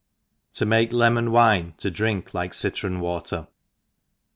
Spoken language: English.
o make Lemon Wine to drink like Citrom Water.